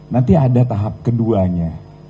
nanti ada tahap keduanya